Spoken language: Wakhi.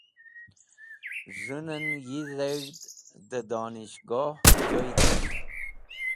Z̃hunan Yi Dheg̃hd de Donishgoh Joydes̃h